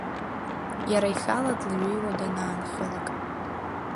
Иара ихала длеиҩеиуа данаанхалак…